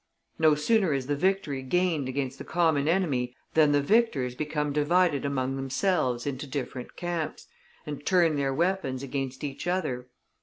No sooner is the victory gained against the common enemy than the victors become divided among themselves into different camps, and turn their weapons against each other.